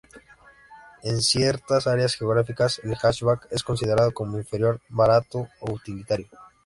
En ciertas áreas geográficas, el "hatchback" es considerado como inferior, barato o utilitario.